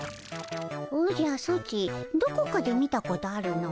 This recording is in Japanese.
おじゃソチどこかで見たことあるの。